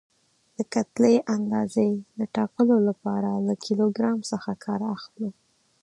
د کتلې اندازې د ټاکلو لپاره له کیلو ګرام څخه کار اخلو.